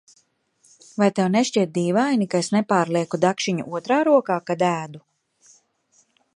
Vai tev nešķiet dīvaini, ka es nepārlieku dakšiņu otrā rokā, kad ēdu?